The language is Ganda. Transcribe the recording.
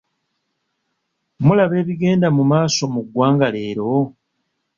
Mulaba ebigenda mu maaso mu ggwanga leero?